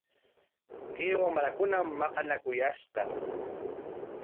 Kay wamrakunam maqanakuyashqa.